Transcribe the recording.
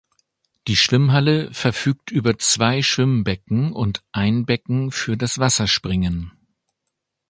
Die Schwimmhalle verfügt über zwei Schwimmbecken und ein Becken für das Wasserspringen.